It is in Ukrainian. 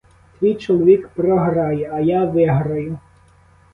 Твій чоловік програє, а я виграю.